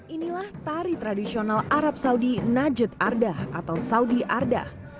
inilah tari tradisional arab saudi najut ardah atau saudi ardah